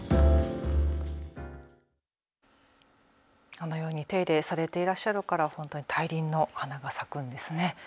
このように手入れされていらっしゃるから本当に大輪の花が咲くんですね。